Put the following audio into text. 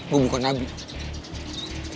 gua bukan nabi